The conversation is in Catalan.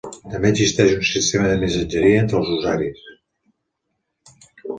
També existeix un sistema de missatgeria entre usuaris.